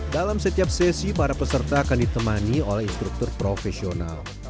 dalam setiap sesi para peserta akan ditemani oleh instruktur profesional